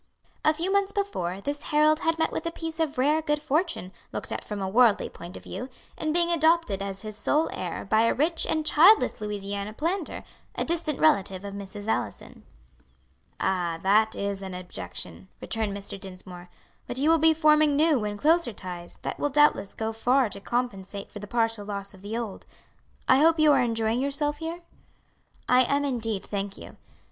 A few months before this Harold had met with a piece of rare good fortune, looked at from a worldly point of view, in being adopted as his sole heir by a rich and childless Louisiana planter, a distant relative of Mrs. Allison. "Ah, that is an objection," returned Mr. Dinsmore; "but you will be forming new and closer ties, that will doubtless go far to compensate for the partial loss of the old. I hope you are enjoying yourself here?" "I am indeed, thank you."